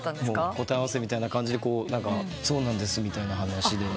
答え合わせみたいな感じでそうなんですみたいな話で。